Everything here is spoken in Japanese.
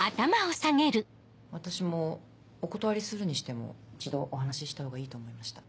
私もお断りするにしても一度お話ししたほうがいいと思いました。